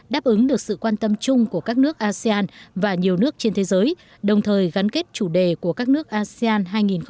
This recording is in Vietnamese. đáp ứng được sự quan tâm chung của các nước asean và nhiều nước trên thế giới đồng thời gắn kết chủ đề của các nước asean hai nghìn hai mươi